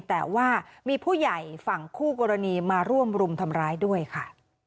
แต่ว่ามีผู้ใหญ่ฝั่งคู่กรณีมาร่วมรุมทำร้ายด้วยค่ะ